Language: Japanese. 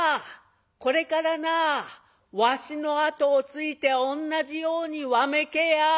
これからなわしの後をついて同じようにわめけや。